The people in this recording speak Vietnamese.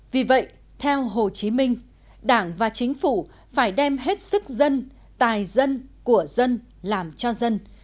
vì vậy theo hồ chí minh đảng và chính phủ phải đem hết sức dân tài dân của dân làm cho dân